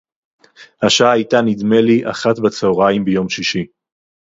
השעה היתה נדמה לי אחת בצהריים ביום שישי